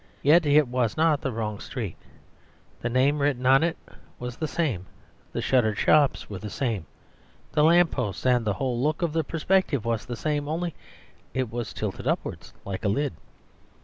Yet it was not the wrong street; the name written on it was the same; the shuttered shops were the same; the lamp posts and the whole look of the perspective was the same; only it was tilted upwards like a lid.